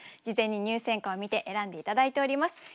事前に入選歌を見て選んで頂いております。